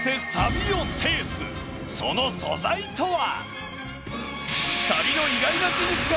その素材とは？